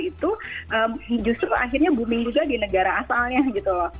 itu justru akhirnya booming juga di negara asalnya gitu loh